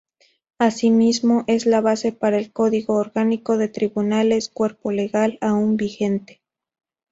Asimismo, es la base para el Código Orgánico de Tribunales, cuerpo legal aún vigente.